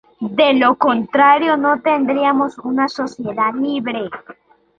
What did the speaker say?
De lo contrario no tendríamos una sociedad libre.